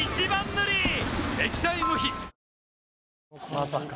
まさか？